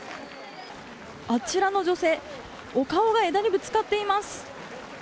あちらの女性お顔が枝にぶつかっています。